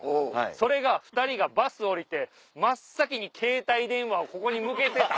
それが２人がバス降りて真っ先に携帯電話をここに向けてた。